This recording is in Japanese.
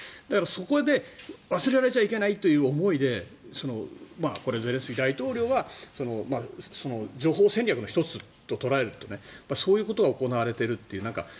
だから、そこで忘れられちゃいけないという思いでこれはゼレンスキー大統領は情報戦略の１つと捉えるとそういうことが行われているという。